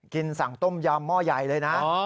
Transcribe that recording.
กินสั่งต้มยำหม้อย่ายเลยนะ